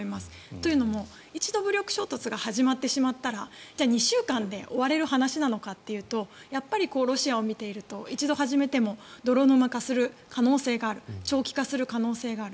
というのも一度武力衝突が始まってしまったら２週間で終われる話かというとやっぱりロシアを見ていると一度始めても泥沼化する長期化する可能性がある。